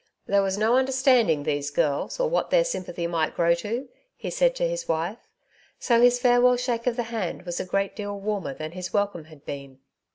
'' There was no understanding these girls, or what their sympathy might grow to,'' he said to his wife. So his farewell shake of the hand was a great deal warmer than his welcome had been.